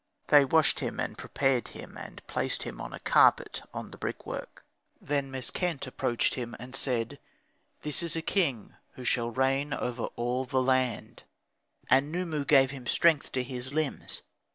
They washed him, and prepared him, and placed him on a carpet on the brickwork. Then Meskhent approached him and said, "This is a king who shall reign over all the land." And Khnumu gave strength to his limbs.